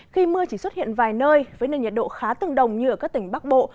khi mưa chỉ xuất hiện vài nơi với nền nhiệt độ khá tương đồng như ở các tỉnh bắc bộ